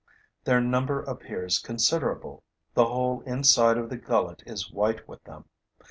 Their number appears considerable; the whole inside of the gullet is white with them.